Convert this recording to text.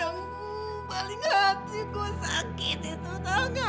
yang paling hati gue sakit itu tau gak